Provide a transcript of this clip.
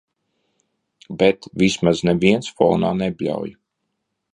Bet vismaz neviens fonā nebļauj.